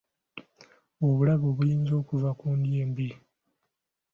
Obulabe obuyinza okuva ku ndya embi.